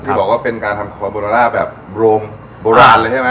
บอกว่าเป็นการทำคอโบโรล่าแบบโรงโบราณเลยใช่ไหม